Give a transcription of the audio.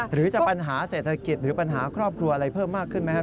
หรือจะปัญหาเศรษฐกิจหรือปัญหาครอบครัวอะไรเพิ่มมากขึ้นไหมครับ